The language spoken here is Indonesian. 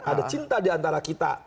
ada cinta diantara kita